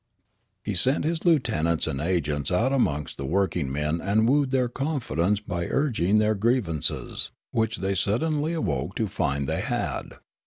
He sent his lieutenants and agents out amongst the workiugmen and wooed their confidence by urging their grievances, which they suddenly awoke to find they had.